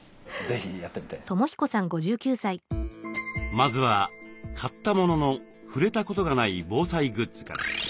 まずは買ったものの触れたことがない防災グッズから。